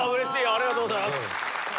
ありがとうございます。